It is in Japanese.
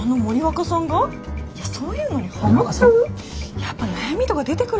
やっぱ悩みとか出てくるんじゃない？